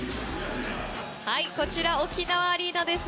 こちら沖縄アリーナです。